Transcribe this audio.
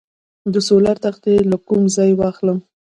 د سولر تختې له کوم ځای واخلم؟